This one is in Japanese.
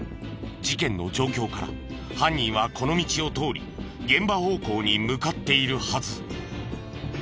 事件の状況から犯人はこの道を通り現場方向に向かっているはず。